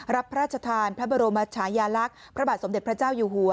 พระราชทานพระบรมชายาลักษณ์พระบาทสมเด็จพระเจ้าอยู่หัว